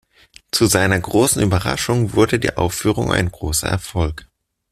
Zu seiner großen Überraschung wurde die Aufführung ein großer Erfolg.